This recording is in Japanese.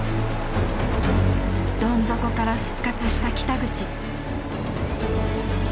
どん底から復活した北口。